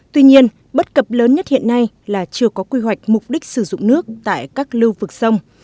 tuy nhiên bất cập lớn nhất hiện nay là chưa có quy hoạch mục đích sử dụng nước tại các lưu vực sông